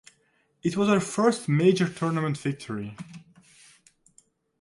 It was her first major tournament victory.